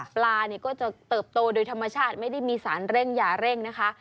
ปลาเนี่ยก็จะเติบโตโดยธรรมชาติไม่ได้มีสารเร่งอย่าเร่งนะคะ